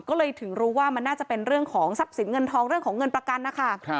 ก็เลยถึงรู้ว่ามันน่าจะเป็นเรื่องของทรัพย์สินเงินทองเรื่องของเงินประกันนะคะ